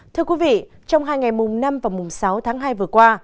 thưa quý vị trong hai ngày mùng năm và mùng sáu tháng hai vừa qua